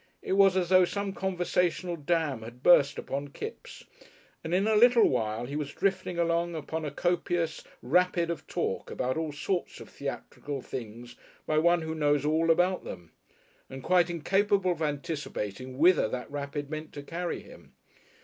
It was as though some conversational dam had burst upon Kipps, and in a little while he was drifting along upon a copious rapid of talk about all sorts of theatrical things by one who knows all about them, and quite incapable of anticipating whither that rapid meant to carry him.